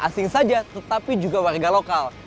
asing saja tetapi juga warga lokal